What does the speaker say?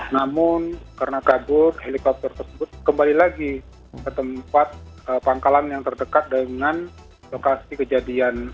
namun karena kabur helikopter tersebut kembali lagi ke tempat pangkalan yang terdekat dengan lokasi kejadian